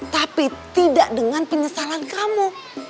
tapi tidak dengan penyesalan kamu